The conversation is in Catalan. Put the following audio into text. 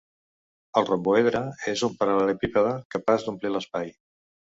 El romboedre és un paral·lelepípede capaç d'omplir l'espai.